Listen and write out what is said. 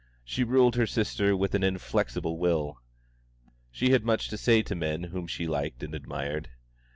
She ruled her sister with an inflexible will. She had much to say to men whom she liked and admired.